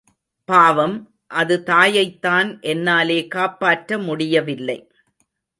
பாவம், அது தாயைத்தான் என்னாலே காப்பாற்ற முடியவில்லை.